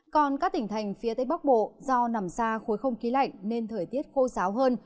còn các tỉnh thành phía tây bắc bộ do nằm xa khối không khí lạnh nên thời tiết khô giáo hơn